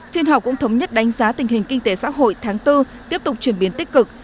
phiên họp cũng thống nhất đánh giá tình hình kinh tế xã hội tháng bốn tiếp tục chuyển biến tích cực